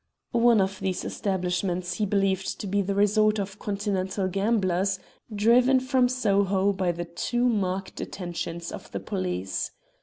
One of these establishments he believed to be the resort of Continental gamblers driven from Soho by the too marked attentions of the police.